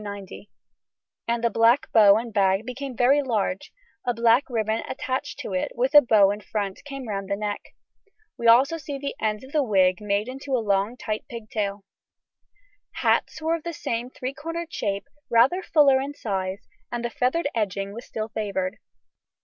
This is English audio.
90), and the black bow and bag became very large; a black ribbon attached to it, with a bow in front, came round the neck. We also see the ends of the wig made into a long, tight pigtail. Hats were of the same three cornered shape, rather fuller in size, and the feathered edging was still favoured.